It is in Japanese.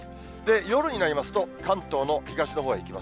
夜になりますと、関東の東のほうへ行きます。